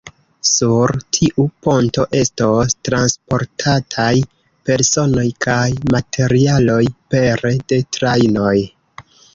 Sur tiu ponto estos transportataj personoj kaj materialoj pere de trajnoj.